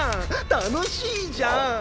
楽しいじゃん！